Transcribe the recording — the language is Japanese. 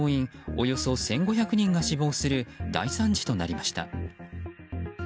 およそ１５００人が死亡する大惨事となりました。